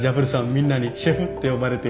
みんなにシェフって呼ばれてる。